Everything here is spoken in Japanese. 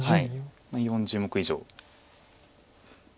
４０目以上。